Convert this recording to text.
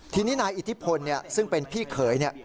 ทีนี้นายอิทธิพลซึ่งเป็นพี่เขยเนี่ย